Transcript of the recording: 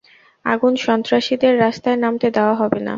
আগুন সন্ত্রাসীদের রাস্তায় নামতে দেওয়া হবে না।